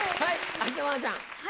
芦田愛菜ちゃん。